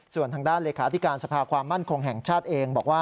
ส่วนทางด้านเลขาธิการสภาความมั่นคงแห่งชาติเองบอกว่า